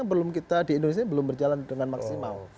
belum kita di indonesia belum berjalan dengan maksimal